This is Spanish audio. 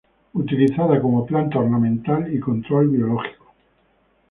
Utilizada como planta ornamental y control biológico.